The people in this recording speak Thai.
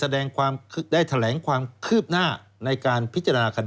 ได้แถลงความคืบหน้าในการพิจารณาคดี